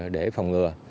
để phòng ngừa